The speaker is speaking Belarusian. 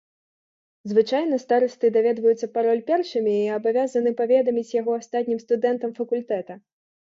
Звычайна старасты даведваюцца пароль першымі і абавязаны паведаміць яго астатнім студэнтам факультэта.